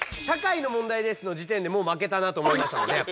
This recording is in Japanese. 「社会の問題です」のじてんでもう負けたなと思いましたもんね